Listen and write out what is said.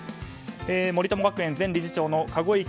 森友学園前理事長の籠池